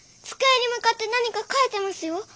机に向かって何か書いてますよ。